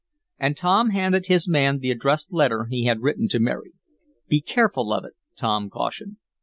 and Tom handed his man the addressed letter he had written to Mary. "Be careful of it," Tom cautioned.